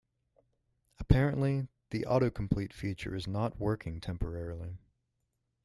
Apparently, the autocomplete feature is not working temporarily.